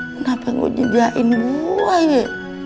kenapa gue nyejahin gue ye